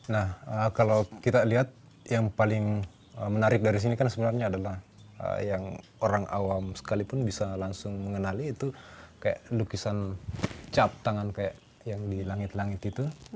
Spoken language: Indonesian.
nah kalau kita lihat yang paling menarik dari sini kan sebenarnya adalah yang orang awam sekalipun bisa langsung mengenali itu kayak lukisan cap tangan kayak yang di langit langit itu